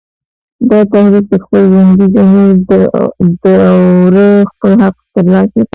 دا تحریک د خپل ژوندي ضمیر د اوره خپل حق تر لاسه کوي